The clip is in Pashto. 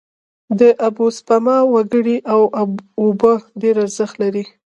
داوبوسپما وکړی او اوبه ډیر ارښت لری